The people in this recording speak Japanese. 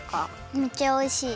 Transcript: めっちゃおいしい。